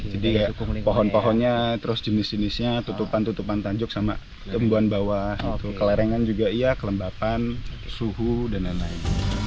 jadi kayak pohon pohonnya terus jenis jenisnya tutupan tutupan tanjuk sama tembuhan bawah kelerengan juga kelembapan suhu dan lain lain